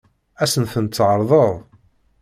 Ad sen-ten-tɛeṛḍeḍ?